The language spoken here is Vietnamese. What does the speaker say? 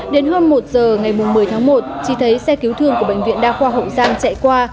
đến hơn một giờ ngày một mươi tháng một chị thấy xe cứu thương của bệnh viện đa khoa hậu giang chạy qua